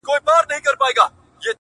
صدقه دي تر تقوا او تر سخا سم.